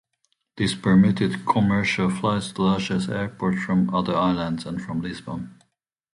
This permitted commercial flights to Lajes Airport from other islands and from Lisbon.